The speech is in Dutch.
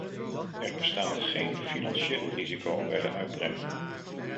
Er bestaat geen financieel risico bij de uitbreiding.